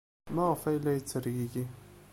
Maɣef ay la yettergigi?